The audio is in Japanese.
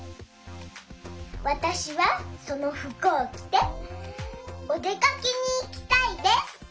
わたしはそのふくをきておでかけにいきたいです。